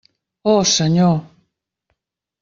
Oh, Senyor!